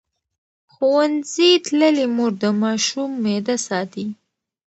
ښوونځې تللې مور د ماشوم معده ساتي.